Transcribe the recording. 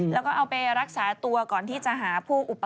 แล้วก็เอาไปรักษาตัวก่อนที่จะหาผู้อุป